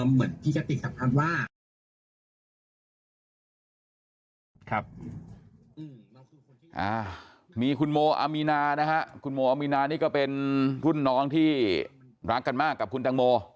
เหมือนที่กติสัมภาษณ์ว่ามีคุณโมอามีนานะฮะคุณโมอามีนานี่ก็เป็นรุ่นน้องที่รักกันมากกับคุณตังโม